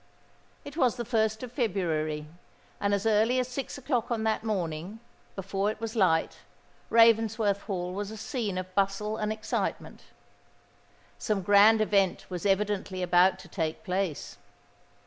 It was the 1st of February; and as early as six o'clock on that morning—before it was light—Ravensworth Hall was a scene of bustle and excitement. Some grand event was evidently about to take place.